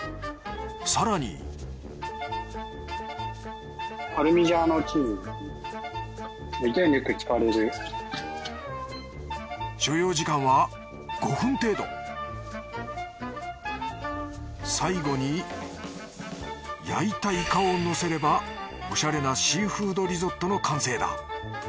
更に所要時間は５分程度最後に焼いたイカをのせればおしゃれなシーフードリゾットの完成だ。